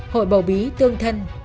hội bầu bí tương thân